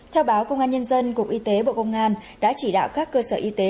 theo báo công an nhân dân cục y tế bộ công an đã chỉ đạo các cơ sở y tế